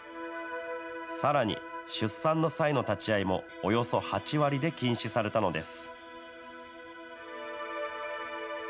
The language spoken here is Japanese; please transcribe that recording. さらに、出産の際の立ち会いも、およそ８割で禁止されたのです。